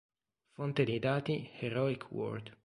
Fonte dei dati "Heroic World"